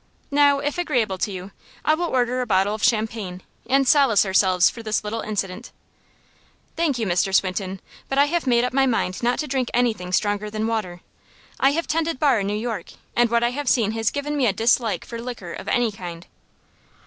Now, if agreeable to you, I will order a bottle of champagne, and solace ourselves for this little incident." "Thank you, Mr. Swinton, but I have made up my mind not to drink anything stronger than water. I have tended bar in New York, and what I have seen has given me a dislike for liquor of any kind."